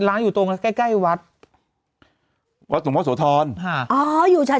ร้านอยู่ตรงแล้วใกล้วัดวัดสมมติสวทรอ่าอ๋ออยู่ชา